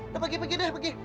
ya pergi pergi deh pergi